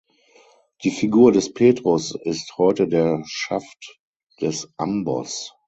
Die Figur des Petrus ist heute der Schaft des Ambos.